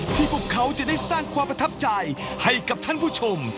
พวกเขาจะได้สร้างความประทับใจให้กับท่านผู้ชม